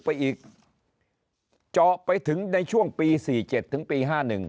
ไปอีกเจาะไปถึงในช่วงปี๔๗ถึงปี๕๑